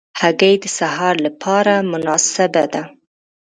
هګۍ د سهار له پاره مناسبه ده.